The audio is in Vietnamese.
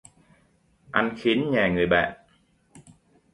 Ăn khín nhà người bạn